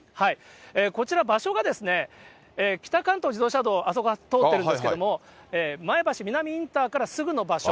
こちら、場所が北関東自動車道、あそこ通ってるんですけれども、前橋南インターからすぐの場所。